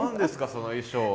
その衣装は。